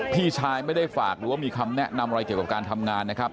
พี่ชายไม่ได้ฝากหรือว่ามีคำแนะนำอะไรเกี่ยวกับการทำงานนะครับ